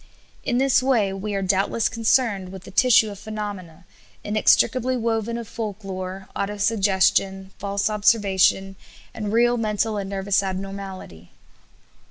In this way, we are doubtless concerned with a tissue of phenomena, inextricably woven of folk lore, autosuggestion, false observation, and real mental and nervous abnormality.